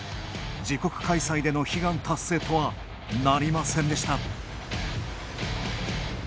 自国開催での悲願達成とはなりませんでした。